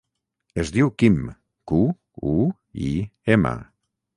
Es diu Quim: cu, u, i, ema.